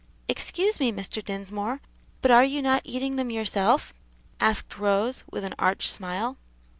"Excuse me, Mr. Dinsmore, but are you not eating them yourself?" asked Rose, with an arch smile.